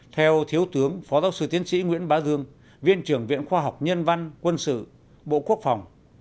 theo thiếu tướng phó giáo sư tiến sĩ nguyễn bá dương viện trưởng viện khoa học nhân văn quân sự bộ quốc phòng